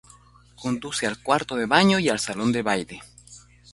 Conduce al cuarto de baño y al salón de baile.